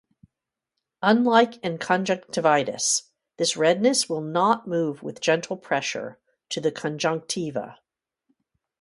Unlike in conjunctivitis, this redness will not move with gentle pressure to the conjunctiva.